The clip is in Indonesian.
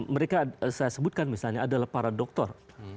mereka saya sebutkan misalnya adalah para doktor